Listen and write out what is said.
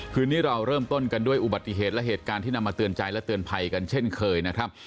คืนนี้เราเริ่มต้นกันด้วยอุบัติเหตุและเหตุการณ์ที่นำมาเตือนใจและเตือนภัยกันเช่นเคยนะครับ